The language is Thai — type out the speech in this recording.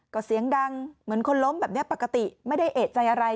ก็เสียงดังเหมือนคนล้มแบบนี้ปกติไม่ได้เอกใจอะไร